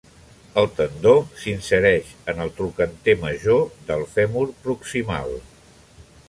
El tendó s'insereix en el trocànter major del fèmur proximal.